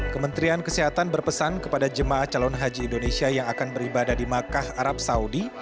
kementerian kesehatan berpesan kepada jemaah calon haji indonesia yang akan beribadah di makkah arab saudi